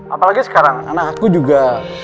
apalagi sekarang anak aku juga